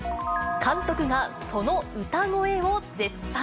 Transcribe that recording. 監督がその歌声を絶賛。